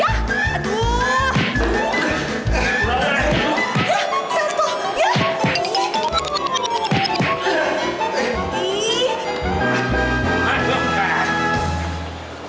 ya ya aduh